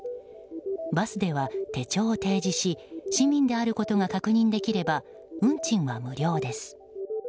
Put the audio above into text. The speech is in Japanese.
バスでは手帳を提示し市民であることが確認できれば運賃は無料です。